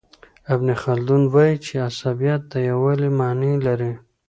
ابن خلدون وايي چي عصبیت د یووالي معنی لري.